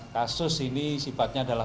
kasus ini sifatnya adalah